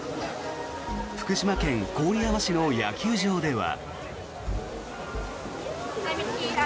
福島県郡山市の野球場では。